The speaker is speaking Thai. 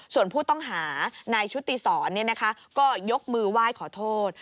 ส่วนผู้ต้องหานายชุติศรก็ยกมือไหว้ขอโทษ